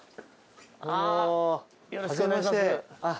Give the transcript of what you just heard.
はじめまして。